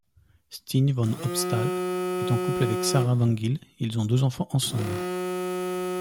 Stijn Van Opstal est en couple avec Sarah Vangeel, ils ont deux enfants ensemble.